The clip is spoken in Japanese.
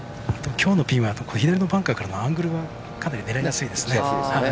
きょうのピンは左のバンカーからのアングルは狙いやすいです。